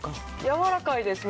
やわらかいです